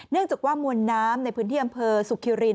เนื่องจากว่ามวลน้ำในพื้นที่อำเภอสุขิริน